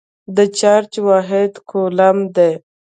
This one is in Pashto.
د چارج واحد کولم دی.